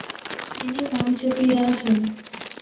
তিনি মঞ্চে ফিরে আসেন।